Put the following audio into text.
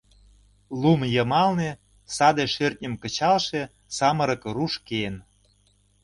Лум йымалне саде шӧртньым кычалше самырык руш киен.